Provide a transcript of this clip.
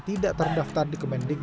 tidak terdaftar di kementerian agama